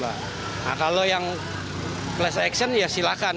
nah kalau yang class action ya silahkan